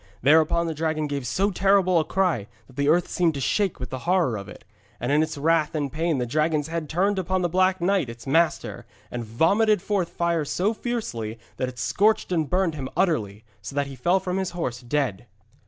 Thereupon the dragon gave so terrible a cry that the earth seemed to shake with the horror of it. And in its wrath and pain the dragon's head turned upon the Black Knight its master, and vomited forth fire so fiercely, that it scorched and burned him utterly, so that he fell from his horse dead.